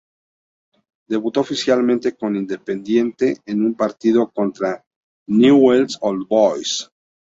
Debutó oficialmente con Independiente en un partido contra Newell's Old Boys.